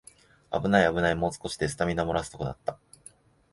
あぶないあぶない、もう少しでスタミナもらすところだった